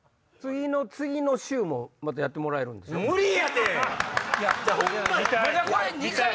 次の次の週もまたやってもらえるんでしょ？